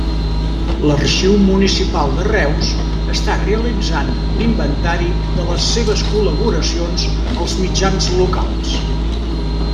L’Arxiu Municipal de Reus està realitzant l'inventari de les seves col·laboracions als mitjans locals.